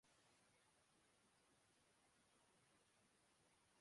Britain